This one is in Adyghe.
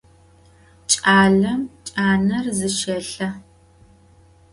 Ç'alem caner zışêlhe.